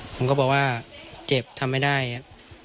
ผมก็บอกว่าเจ็บทำไม่ได้ครับ